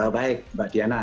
baik mbak diana